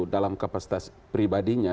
dalam kapasitas pribadinya